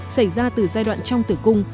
xảy ra từ giai đoạn trong tử cung